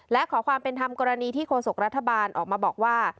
และขอความเป็นธรรมกรณีที่โฆษกรัฐบาลออกมาบอกว่า